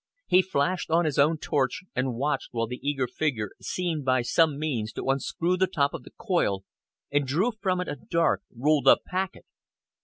He flashed on his own torch and watched while the eager figure seemed by some means to unscrew the top of the coil and drew from it a dark, rolled up packet.